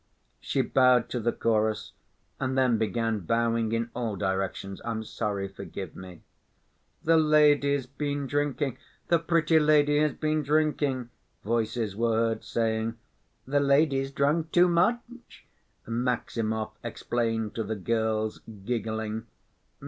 She bowed to the chorus, and then began bowing in all directions. "I'm sorry.... Forgive me...." "The lady's been drinking. The pretty lady has been drinking," voices were heard saying. "The lady's drunk too much," Maximov explained to the girls, giggling.